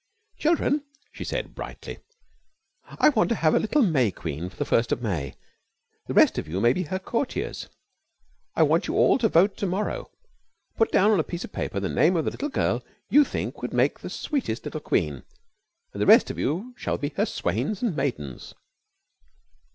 "Children," she said brightly. "I want to have a little May Queen for the first of May. The rest of you must be her courtiers. I want you all to vote to morrow. Put down on a piece of paper the name of the little girl you think would make the sweetest little Queen, and the rest of you shall be her swains and maidens."